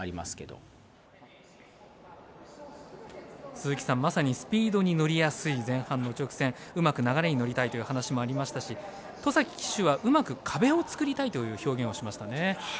鈴木さん、まさにスピードに乗りやすい前半の直線うまく流れに乗りたいという話もありましたし戸崎騎手はうまく壁を作りたいという表現をしましたね。